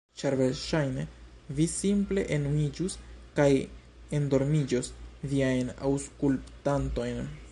Ĉar versaĵne vi simple enuiĝus kaj endormiĝos viajn aŭskultantojn.